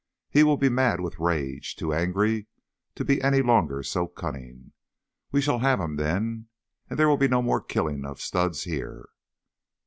He will be mad with rage, too angry to be any longer so cunning. We shall have him then. And there will be no more killings of studs here."